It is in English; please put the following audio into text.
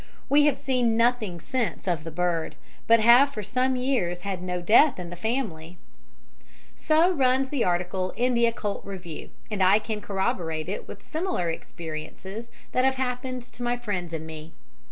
We have seen nothing since of the bird, but have for some years had no death in the family." So runs the article in the Occult Review, and I can corroborate it with similar experiences that have happened to my friends and to me.